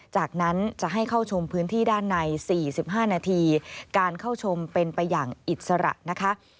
จากนั้นจะให้เข้าชมพื้นที่ด้านใน๔๕นาทีการเข้าชมเป็นไปอย่างอิสระนะคะ